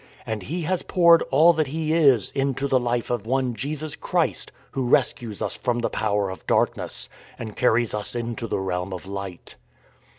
And He has poured all that He is into the life of one Jesus Christ Who rescues us from the power of Darkness and carries us into the Realm of Light.